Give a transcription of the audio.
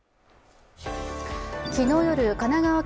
昨日夜、神奈川県